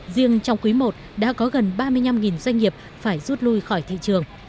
riêng trong quý i đã có gần ba mươi năm doanh nghiệp phải rút lui khỏi thị trường